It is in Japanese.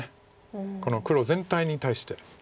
この黒全体に対して。